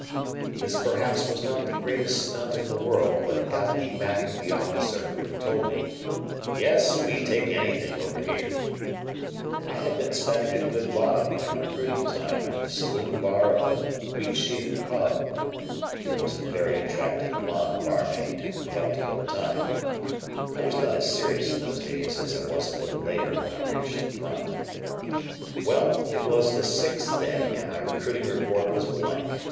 This perhaps was not the greatest stunt in the world, but it got back at the officer who had told me, "Yes, we take anything over here." I had been spending a good lot of my recruiting time in the saloon bar of the "Wheat Sheaf" pub (there was a very attractive blonde barmaid, who helped kill time I was not as serious in those days as I was a little later when I reached the front) well, it was the sixth day and my recruiting report was blank.